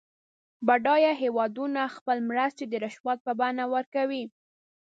بډایه هېوادونه خپلې مرستې د رشوت په بڼه ورکوي.